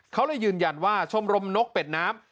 เขาเลยยืนยันว่าชมรมนกเป็ดน้ำ